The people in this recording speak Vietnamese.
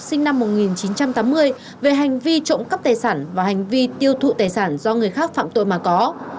sinh năm một nghìn chín trăm tám mươi về hành vi trộm cắp tài sản và hành vi tiêu thụ tài sản do người khác phạm tội mà có